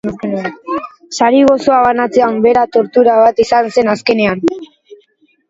Sari gozoa banatzea bera tortura bat izan zen azkenean.